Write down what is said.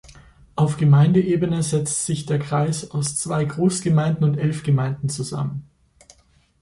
Auf Gemeindeebene setzt sich der Kreis aus zwei Großgemeinden und elf Gemeinden zusammen.